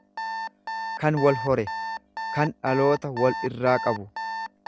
kan wal hore, kan dhaloota wal irraa qabu.